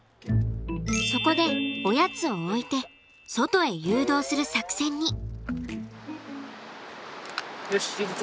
そこでおやつを置いて外へ誘導する作戦に。